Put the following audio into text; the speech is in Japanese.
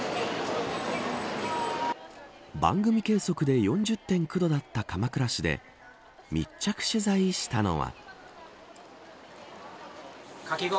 番組計測で４０．９度だった鎌倉市で密着取材したのは。